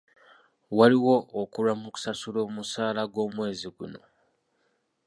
Waliwo okulwa mu kusasula omusaala gw'omwezi guno.